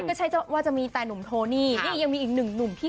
ก็ใช้ว่าจะมีแต่หนุ่มโทนี่